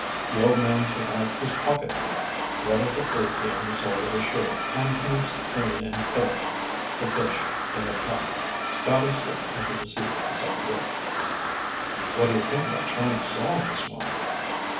The old man took out his pocketknife, whetted it briefly on the sole of his shoe, and commenced to clean and fillet the fish they had caught. Scotty slipped into the seat beside Rick. "What do you think about trying to solve this one?"